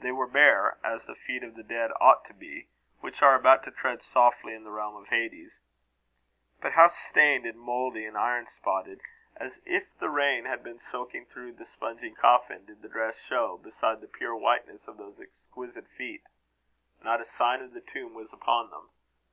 They were bare, as the feet of the dead ought to be, which are about to tread softly in the realm of Hades, But how stained and mouldy and iron spotted, as if the rain had been soaking through the spongy coffin, did the dress show beside the pure whiteness of those exquisite feet! Not a sign of the tomb was upon them.